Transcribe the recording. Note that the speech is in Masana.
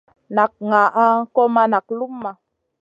Nak ŋaʼa kò ma nak luma.